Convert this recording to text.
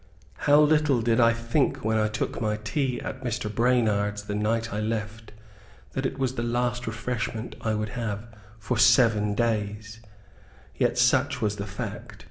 How little did I think when I took my tea at Mr. Branard's the night I left that it was the last refreshment I would have for SEVEN DAYS; yet such was the fact.